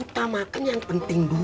utamakan yang penting dulu